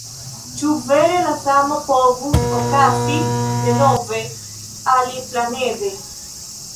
Ĉu vere la samo povus okazi denove, aliplanede?